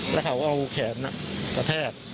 แล้วเขาก็เอาแขนกระแทก